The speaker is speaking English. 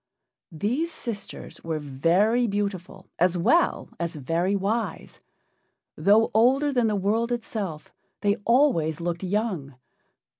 These sisters were very beautiful as well as very wise. Though older than the world itself, they always looked young.